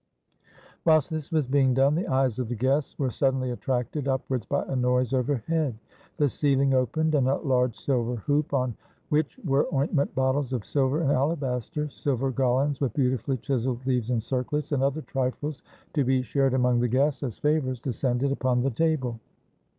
Whilst this was being done, the eyes of the guests were suddenly attracted upwards by a noise overhead; the ceiling opened, and a large silver hoop, on which were ointment bottles of silver and alabaster, silver garlands with beautifully chiseled leaves and circlets, and other trifles, to be shared among the guests as favors, descended upon the table.